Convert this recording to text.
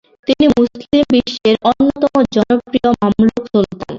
তিনি মুসলিম বিশ্বের অন্যতম জনপ্রিয় মামলুক সুলতান।